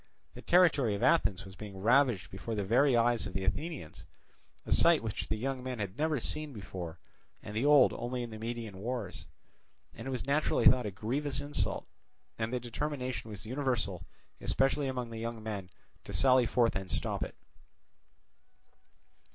The territory of Athens was being ravaged before the very eyes of the Athenians, a sight which the young men had never seen before and the old only in the Median wars; and it was naturally thought a grievous insult, and the determination was universal, especially among the young men, to sally forth and stop it.